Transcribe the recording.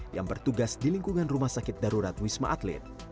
yang bertugas di lingkungan rumah sakit darurat wisma atlet